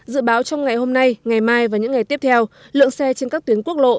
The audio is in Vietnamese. dự báo trong ngày hôm nay ngày mai và những ngày tiếp theo lượng xe trên các tuyến quốc lộ